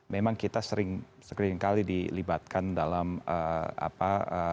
memang kita sering sekali kali dilibatkan dalam apa